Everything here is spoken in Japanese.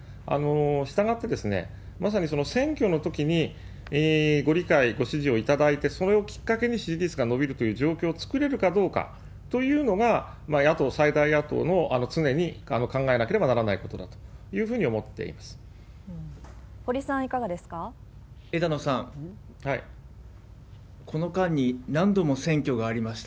したがって、まさにその選挙のときに、ご理解、ご指示をいただいて、それをきっかけに支持率が伸びるという状況を作れるかどうかというのが、野党、最大野党の常に考えなければならないことだというふうに思ってま堀さん、枝野さん、この間に何度も選挙がありました。